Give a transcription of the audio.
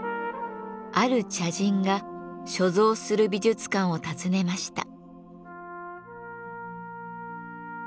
ある茶人が所蔵する美術館を訪ねました。